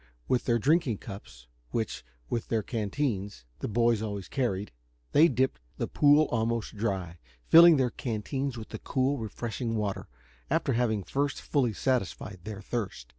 With their drinking cups, which, with their canteens, the boys always carried, they dipped the pool almost dry, filling their canteens with the cool, refreshing water, after having first fully satisfied their thirst.